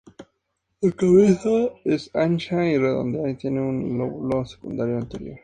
La cabeza es ancha y redondeada, y tiene un lóbulo secundario anterior.